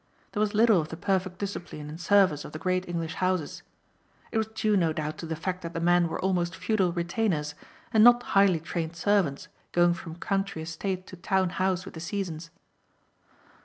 There was little of the perfect discipline and service of the great English houses. It was due no doubt to the fact that the men were almost feudal retainers and not highly trained servants going from country estate to town house with the seasons.